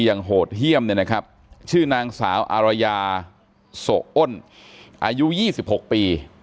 ยังโหดเฮี่ยมนะครับชื่อนางสาวอารยาโส้อ้นอายุ๒๖ปี